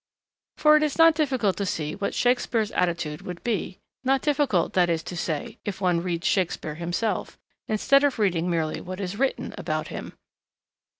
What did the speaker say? For it is not difficult to see what Shakespeare's attitude would be; not difficult, that is to say, if one reads Shakespeare himself, instead of reading merely what is written about him.